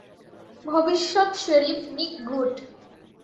ভবিষ্যৎ sheriff, Nick good.